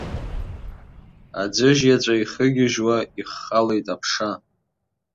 Аӡыжь иаҵәа ихыгьежьуа иххалеит аԥша.